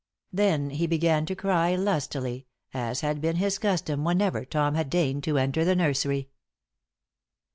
Then he began to cry lustily, as had been his custom whenever Tom had deigned to enter the nursery.